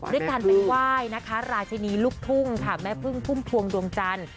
ด้วยการไปไหว้นะคะราชินีลูกทุ่งค่ะแม่พึ่งพุ่มพวงดวงจันทร์